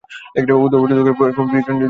উভয়মেতদুপৈত্বথবা ক্ষয়ং প্রিয়জনেন ন যত্র সমাগমঃ।